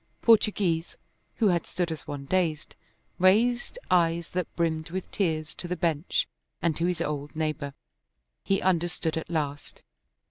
Portoghese, who had stood as one dazed, raised eyes that brimmed with tears to the bench and to his old neighbor. He understood at last.